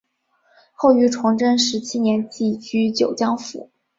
后于崇祯十七年寄居九江府。